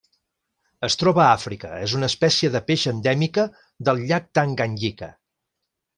Es troba a Àfrica: és una espècie de peix endèmica del Llac Tanganyika.